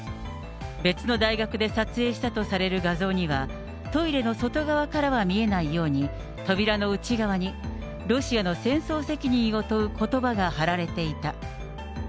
別の大学で撮影したとされる画像には、トイレの外側からは見えないように、扉の内側に、ロシアの戦争責任を問うことばが貼られていた。